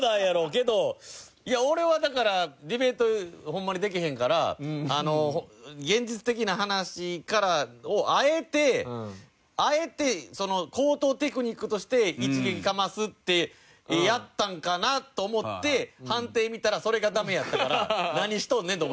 けどいや俺はだからディベートホンマにでけへんから現実的な話からあえてあえて高等テクニックとして一撃かますってやったんかなと思って判定見たらそれがダメやったから何しとんねんって。